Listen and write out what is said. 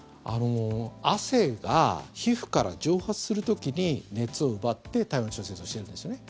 汗が皮膚から蒸発する時に熱を奪って体温調節をしてるんですよね。